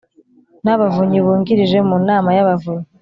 n Abavunyi Bungirije Mu Nama y Abavunyi